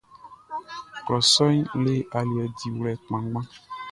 Klɔ sɔʼn le aliɛ diwlɛ kpanngban.